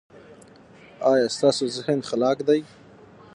ایا ستاسو ذهن خلاق دی؟